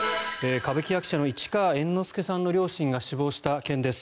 歌舞伎役者の市川猿之助さんの両親が死亡した件です。